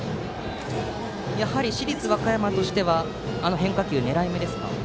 市立和歌山としては変化球は狙い目ですか。